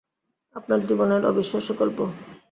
আপনার জীবনের অবিশ্বাস্য গল্প।